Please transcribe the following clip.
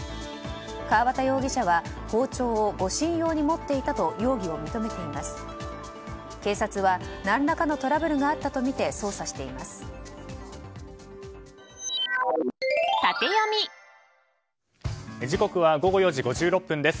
川畑容疑者は包丁を護身用に持っていたと容疑を認めています。